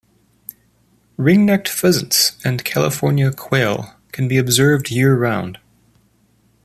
Ring-necked pheasants and California quail can be observed year-round.